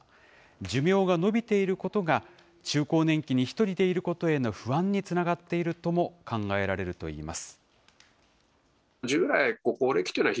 寿命が延びていることが中高年期に１人でいることへの不安につながっているとも考えられるといいます。